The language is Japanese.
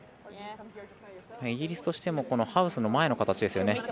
イギリスとしてもハウスの前の形ですよね。